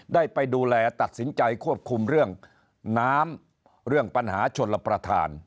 ได้ไปดูแลตัดสินใจควบคุมเรื่องน้ำเรื่องปัญหาชนรับประทาน